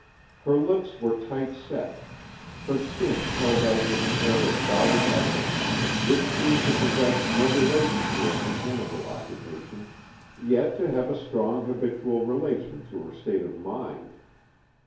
Her lips were tight set; her chin held out with an air of dogged effort which seemed to possess no relation to her mechanical occupation, yet to have a strong habitual relation to her state of mind.